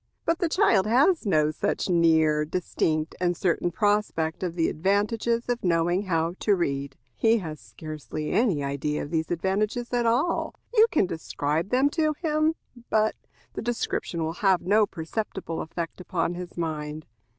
But the child has no such near, distinct, and certain prospect of the advantages of knowing how to read. He has scarcely any idea of these advantages at all. You can describe them to him, but the description will have no perceptible effect upon his mind.